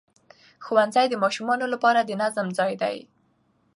ښوونځی د ماشومانو لپاره د نظم ځای دی